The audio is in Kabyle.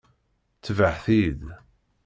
Tebɛet-iyi-d.